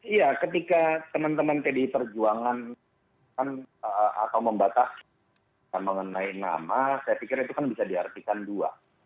iya ketika teman teman pdi perjuangan atau membatasi mengenai nama saya pikir itu kan bisa diartikan dua